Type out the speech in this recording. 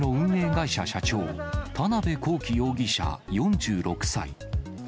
会社社長、田辺公己容疑者４６歳。